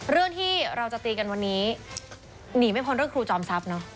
เรื่องที่เราจะตีกันวันนี้หนีไม่พ้นเรื่องครูจอมทรัพย์เนอะ